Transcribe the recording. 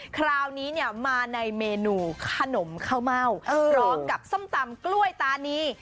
คราวนี้เนี่ยมาในเมนูขนมข้าวเม่าพร้อมกับส้มตำกล้วยตานี